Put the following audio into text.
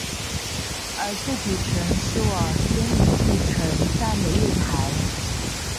而最底层是往坚尼地城站的月台。